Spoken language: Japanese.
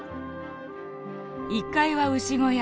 １階は牛小屋。